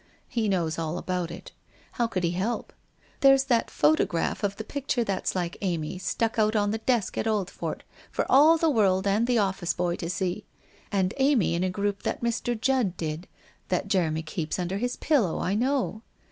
He knows all about it. How could he help? There's that photograph of the picture that's like Amy stuck out on the desk at Oldfort, for all the world and the office boy to see. And Amy in a group that Mr. Judd did — that Jeremy keeps under his pillow, I know.